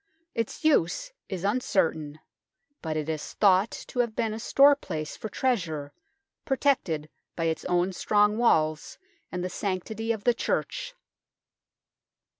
Its use is uncertain, but it is thought to have been a storeplace for treasure, protected by its own strong walls and the sanctity of the Church.